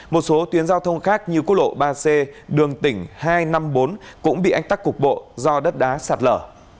một số tuyến giao thông khác như quốc lộ ba c đường tỉnh hai trăm năm mươi bốn cũng bị ách tắc cục bộ do đất đá sạt lở